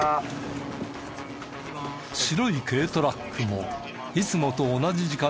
白い軽トラックもいつもと同じ時間に現れた。